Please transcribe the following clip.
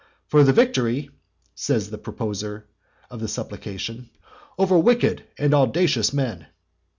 "For the victory," says the proposer of the supplication, "over wicked and audacious men."